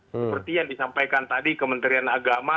seperti yang disampaikan tadi kementerian agama